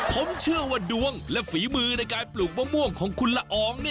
ผมเชื่อว่าดวงและฝีมือในการปลูกมะม่วงของคุณละออง